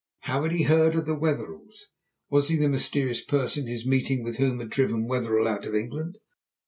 How had he heard of the Wetherells? Was he the mysterious person his meeting with whom had driven Wetherell out of England?